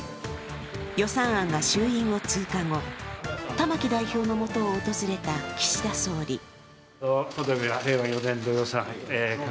予算案が衆院を通過後、玉木代表のもとを訪れた岸田総理。